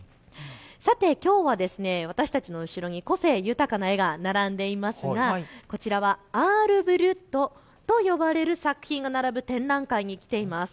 さてきょうは私たちの後ろに個性豊かな絵が並んでいますがこちらはアール・ブリュットと呼ばれる作品が並ぶ展覧会に来ています。